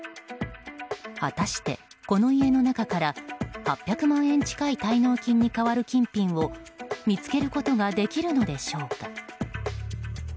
果たして、この家の中から８００万円近い滞納金に代わる金品を見つけることができるのでしょうか。